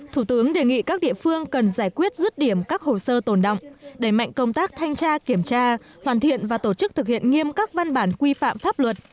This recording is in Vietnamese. thủ tướng đề nghị các địa phương cần giải quyết rứt điểm các hồ sơ tồn động đẩy mạnh công tác thanh tra kiểm tra hoàn thiện và tổ chức thực hiện nghiêm các văn bản quy phạm pháp luật